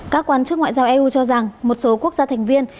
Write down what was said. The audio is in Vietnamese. các quan chức ngoại giao eu cho rằng một số quốc gia thành viên